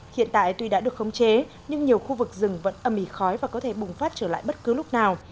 hiện tại tuy đã được khống chế nhưng nhiều khu vực rừng vẫn âm mỉ khói và có thể bùng phát trở lại bất cứ lúc nào